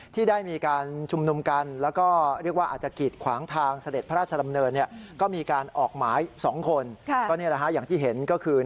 ที่ได้มีการชุมนุมกัน